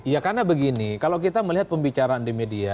ya karena begini kalau kita melihat pembicaraan di media